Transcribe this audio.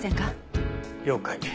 了解。